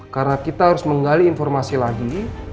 karena kita harus menggali informasi lagi